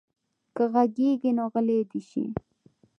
که غږېږي نو غلی دې شي.